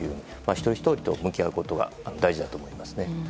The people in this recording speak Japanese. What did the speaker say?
一人ひとりと向き合うことが大事だと思いますね。